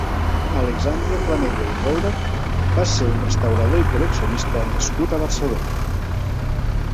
Alexandre Planella i Roura va ser un restaurador i col·leccionista nascut a Barcelona.